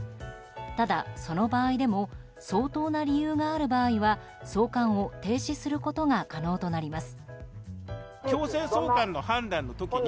ただ、その場合でも相当な理由がある場合は送還を停止することが可能となります。